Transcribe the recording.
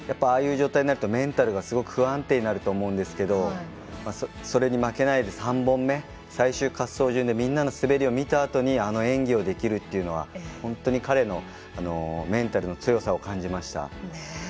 ああいう状態になるとメンタルがすごく不安定になると思うんですけどそれに負けないで３本目最終滑走順でみんなの滑りを見たあとにあの演技をできるというのは本当に彼のメンタルの強さを感じました。